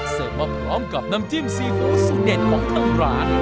เสิร์ฟมาพร้อมกับน้ำจิ้มซีฟู้สุดเด็ดของข้างร้าน